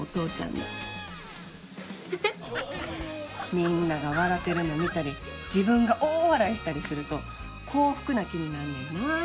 みんなが笑てるの見たり自分が大笑いしたりすると幸福な気になんねんな。